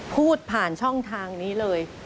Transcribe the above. พูดผ่านช่องทางนี้เลย